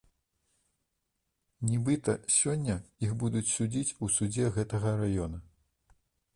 Нібыта, сёння іх будуць судзіць у судзе гэтага раёна.